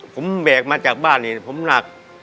ผมแบกมาจากบ้านนี่ผมหนัก